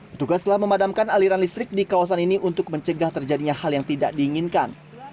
petugas telah memadamkan aliran listrik di kawasan ini untuk mencegah terjadinya hal yang tidak diinginkan